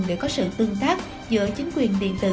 để có sự tương tác giữa chính quyền điện tử